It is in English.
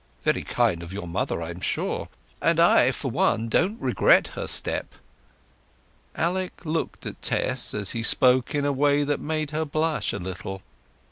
"Very kind of your mother, I'm sure. And I, for one, don't regret her step." Alec looked at Tess as he spoke, in a way that made her blush a little.